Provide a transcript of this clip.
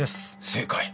正解！